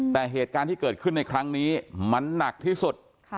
แต่เหตุการณ์ที่เกิดขึ้นในครั้งนี้มันหนักที่สุด